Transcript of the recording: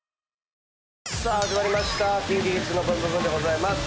始まりました『ＫｉｎＫｉＫｉｄｓのブンブブーン！』でございます。